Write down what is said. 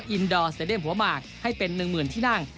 ไทยเด้มหัวมากให้เป็น๑๐๐๐๐ที่นั่ง